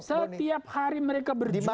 setiap hari mereka berjuang